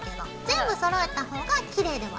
全部そろえた方がきれいではあるね。